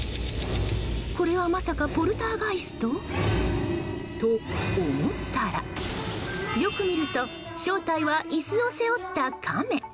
これはまさかポルターガイスト？と思ったらよく見ると正体は椅子を背負ったカメ。